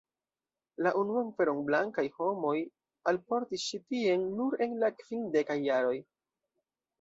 La unuan feron blankaj homoj alportis ĉi tien nur en la kvindekaj jaroj.